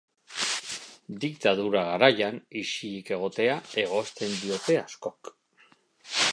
Diktadura garaian isilik egotea egozten diote askok.